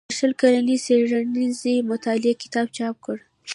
د شل کلنې څيړنيزې مطالعې کتاب چاپ کړ